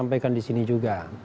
sampaikan disini juga